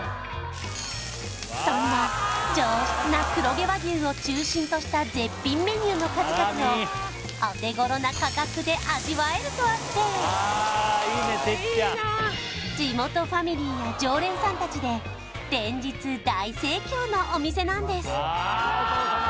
そんな上質な黒毛和牛を中心とした絶品メニューの数々をお手頃な価格で味わえるとあって地元ファミリーや常連さん達で連日大盛況のお店なんです